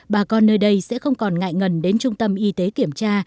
bà con nơi đây sẽ không còn ngại ngần đến trung tâm y tế kiểm tra